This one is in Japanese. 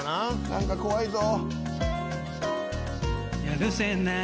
何か怖いぞ。